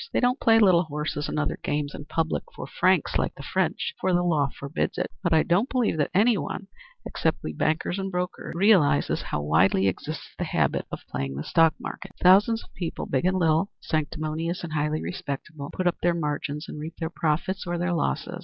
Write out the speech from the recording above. They don't play little horses and other games in public for francs, like the French, for the law forbids it, but I don't believe that any one, except we bankers and brokers, realizes how widely exists the habit of playing the stock market. Thousands of people, big and little, sanctimonious and highly respectable, put up their margins and reap their profits or their losses.